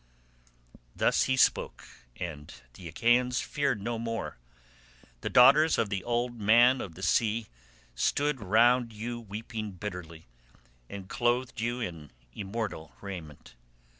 "Thus he spoke, and the Achaeans feared no more. The daughters of the old man of the sea stood round you weeping bitterly, and clothed you in immortal raiment.